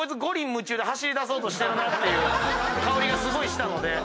走りだそうとしてるなっていう薫りがすごいしたので。